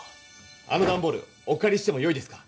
あのダンボールおかりしてもよいですか？